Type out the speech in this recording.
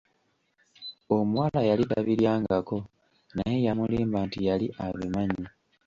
Omuwala yali tabiryangako naye yamulimba nti yali abimanyi.